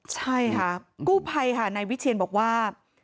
ใช่ค่ะกู้ไพในวิเทียนบอกว่า